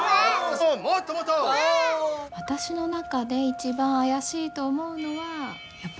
私の中で一番怪しいと思うのはやっぱり萌先生。